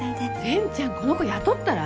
善ちゃんこの子雇ったら？